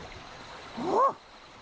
あっ！